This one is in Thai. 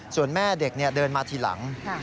ส่วนแม่เด็กเดินมาทีหลัง